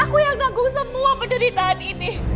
aku yang nanggung semua penderitaan ini